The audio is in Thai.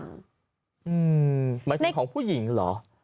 หมายถึงของผู้หญิงเหรอ